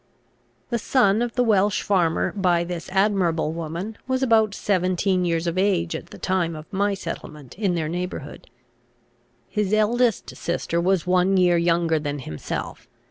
The son of the Welch farmer by this admirable woman was about seventeen years of age at the time of my settlement in their neighbourhood. His eldest sister was one year younger than himself.